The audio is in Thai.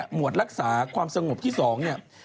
หมวดรักษาความสงบที่สอง